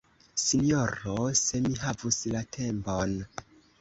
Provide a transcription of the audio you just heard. Sinjoro, se mi havus la tempon!